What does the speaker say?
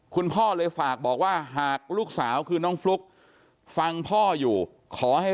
คุณพ่อเลยฝากบอกว่าหากลูกสาวคือน้องฟลุ๊กฟังพ่ออยู่ขอให้